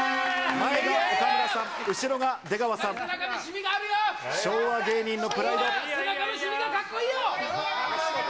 前が岡村さん、後ろが出川さん、昭和芸人のプライド。